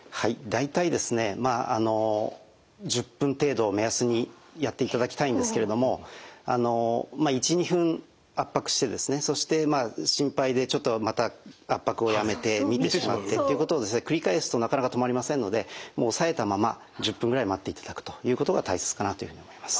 大体ですねまああの１０分程度を目安にやっていただきたいんですけれども１２分圧迫してそして心配でちょっとまた圧迫をやめて見てしまってっていうこと繰り返すとなかなか止まりませんのでもうおさえたまま１０分ぐらい待っていただくということが大切かなというふうに思います。